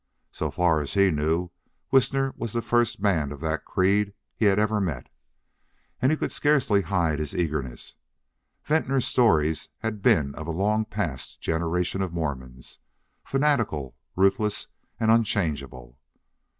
So far as he knew, Whisner was the first man of that creed he had ever met, and he could scarcely hide his eagerness. Venters's stories had been of a long past generation of Mormons, fanatical, ruthless, and unchangeable.